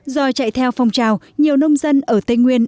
do chạy theo phong trào nhiều nông dân ở tây nguyên